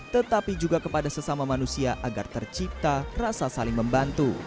tetapi juga kepada sesama manusia agar tercipta rasa saling membantu